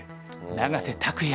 永瀬拓矢